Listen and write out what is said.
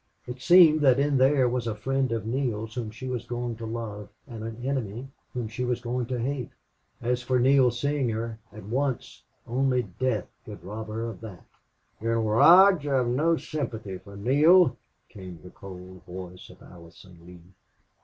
It seemed that in there was a friend of Neale's whom she was going to love, and an enemy whom she was going to hate. As for Neale seeing her at once only death could rob her of that. "General Lodge, I have no sympathy for Neale," came the cold voice of Allison Lee.